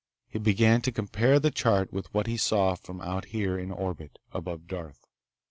He began to compare the chart with what he saw from out here in orbit above Darth.